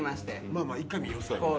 まあまあ一回見よう最後まで。